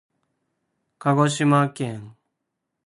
鹿児島県志布志市志布志町志布志へ行きました。